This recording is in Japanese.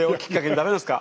ダメなんですか？